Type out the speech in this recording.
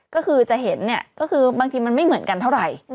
ก็คือจะเห็นบางทีมันไม่เหมือนกันเท่าไร